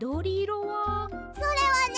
それはね